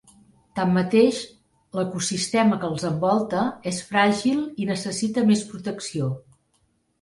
Tanmateix, l'ecosistema que els envolta és fràgil i necessita més protecció.